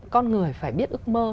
con người phải biết ước mơ